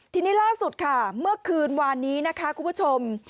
ทีนี้ล่าสุดค่ะเมื่อคืนวานนี้นะคะคุณผู้ชม